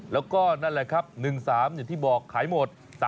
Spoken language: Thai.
แล้วก็นั่นแหละครับ๑๓อย่างที่บอกขายหมด